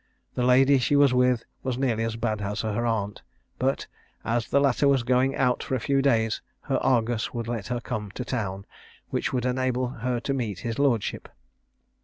The lady she was with was nearly as bad as her aunt; but, as the latter was going out for a few days, her Argus would let her come to town, which would enable her to meet his lordship.